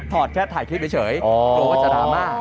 ถอดแค่ถ่ายคลิปเฉยโปรดจากดราม่า